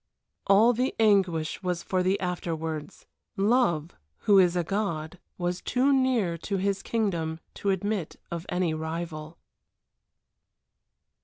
All the anguish was for the afterwards. Love, who is a god, was too near to his kingdom to admit of any rival.